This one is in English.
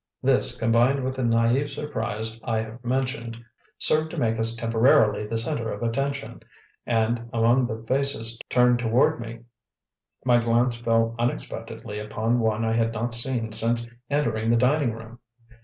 This, combined with the naive surprise I have mentioned, served to make us temporarily the centre of attention, and, among the faces turned toward me, my glance fell unexpectedly upon one I had not seen since entering the dining room.